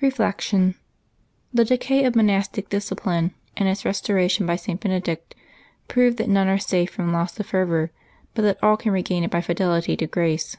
Reflection. — The decay of monastic discipline and its restoration by St. Benedict prove that none are safe from loss of fervor, but that all can regain it by fidelity to grace.